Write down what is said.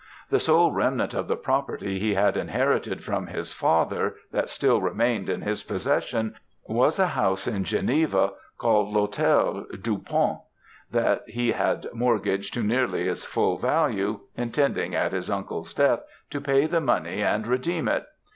The sole remnant of the property he had inherited from his father, that still remained in his possession, was a house in Geneva, called L'Hôtel Dupont, that he had mortgaged to nearly its full value, intending at his uncle's death, to pay the money and redeem it.